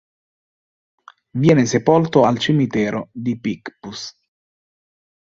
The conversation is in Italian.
Viene sepolto al cimitero di Picpus.